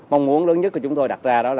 mong muốn lớn nhất của chúng tôi đặt ra